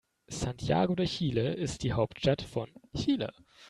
Santiago de Chile ist die Hauptstadt von Chile.